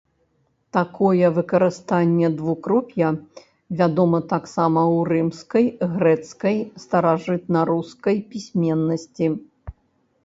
Такое выкарыстанне двукроп'я вядома таксама ў рымскай, грэцкай, старажытнарускай пісьменнасці.